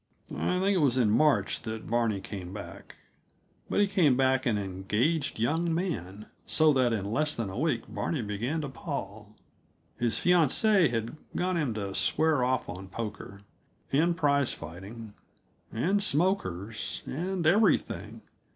I think it was in March that Barney came back; but he came back an engaged young man, so that in less than a week Barney began to pall. His fiancée had got him to swear off on poker and prize fighting and smokers and everything.